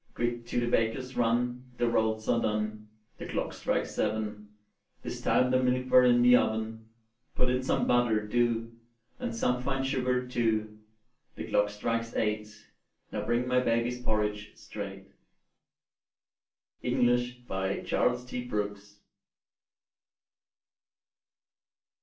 Quick to the baker's run; The rolls are done; The clock strikes seven: 'Tis time the milk were in the oven. Put in some butter, do, And some fine sugar, too; The clock strikes eight: Now bring my baby's porridge straight. Englished by Charles T. Brooks.